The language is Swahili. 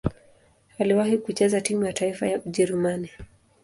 Aliwahi kucheza timu ya taifa ya Ujerumani.